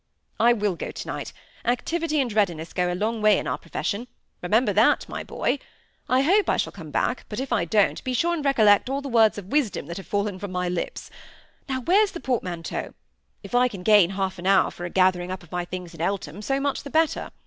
"I will go to night. Activity and readiness go a long way in our profession. Remember that, my boy! I hope I shall come back, but if I don't, be sure and recollect all the words of wisdom that have fallen from my lips. Now where's the portmanteau? If I can gain half an hour for a gathering up of my things in Eltham, so much the better.